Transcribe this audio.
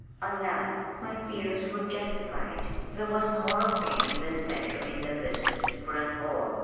Alas! My fears were justified. There was more of pain than pleasure in the visit, for us all.